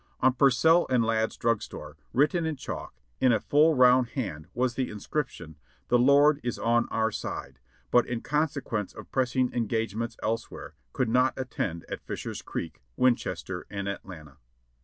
On Purcell & Ladd's drug store, written in chalk, in a full round hand, was the inscription, "The Lord is on our side, but in conse quence of pressing engagements elsewhere, could not attend at Fisher's Creek, Winchester and Atlanta."